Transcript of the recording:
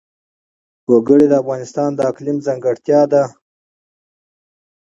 وګړي د افغانستان د اقلیم ځانګړتیا ده.